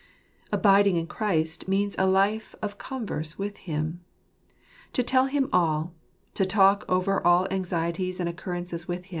Abiding in Christ tneans a life of converse with Him. To tell Him all; to talk over all anxieties and occurrences with ©rmtmutttmt tail) (frljxizt.